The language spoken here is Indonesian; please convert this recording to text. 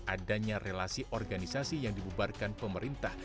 adanya relasi organisasi yang dibubarkan pemerintah